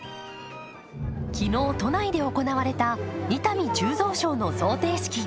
昨日都内で行われた伊丹十三賞の贈呈式。